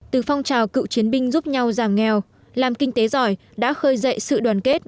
từ phong trào cựu chiến binh giúp nhau giảm nghèo làm kinh tế giỏi đã khơi dậy sự đoàn kết